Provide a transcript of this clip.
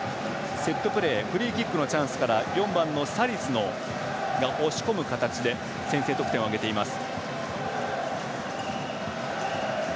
セットプレーフリーキックのチャンスから４番のサリスが押し込む形で先制得点を挙げています。